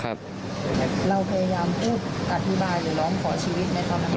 เราพยายามพูดอธิบายหรือร้องขอชีวิตไหมครับ